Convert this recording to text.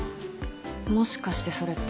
もしかしてそれって。